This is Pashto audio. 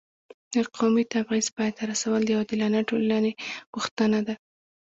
د قومي تبعیض پای ته رسول د یو عادلانه ټولنې غوښتنه ده.